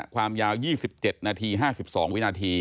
ความยาว๒๗นาที๕๒วินาที